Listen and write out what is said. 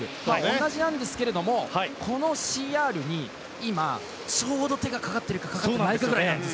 同じなんですけどこのＣＲに今ちょうど手がかかるか、かからないかぐらい。